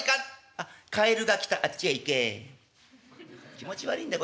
気持ち悪いんだよ